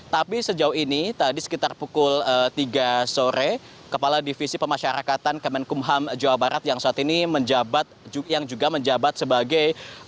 tapi sejauh ini tadi sekitar pukul tiga sore kepala divisi pemasyarakatan kemenkumham jawa barat yang saat ini yang juga menjabat sebagai